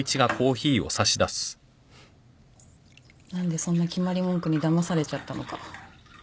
何でそんな決まり文句にだまされちゃったのか。